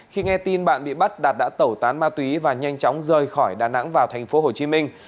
khi nghe tin bạn bị bắt đạt đã tẩu tán ma túy và nhanh chóng rời khỏi đà nẵng vào thành phố hồ chí minh